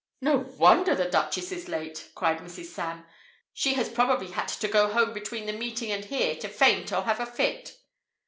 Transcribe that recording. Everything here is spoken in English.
"No wonder the Duchess is late!" cried Mrs. Sam. "She has probably had to go home between the meeting and here to faint or have a fit."